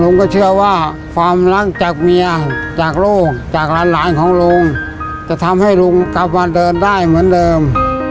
เชื่อว่าความรักจากเมียจากลูกจากหลานของลุงจะทำให้ลุงกลับมาเดินได้เหมือนเดิม